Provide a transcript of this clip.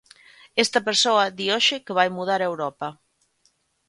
Esta persoa di hoxe que vai mudar Europa.